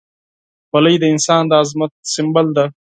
خولۍ د انسان د عظمت سمبول ده.